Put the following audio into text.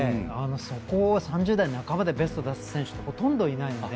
そこを３０代半ばでベストを出す選手ってほとんどいないので。